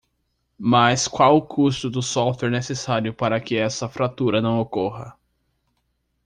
Mas qual o custo do software necessário para que essa fratura não ocorra?